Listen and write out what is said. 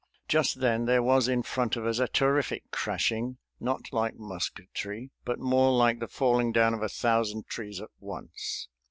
Just then there was in front of us a terrific crashing, not like musketry, but more like the falling down of a thousand trees at once.